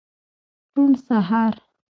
روڼ سهار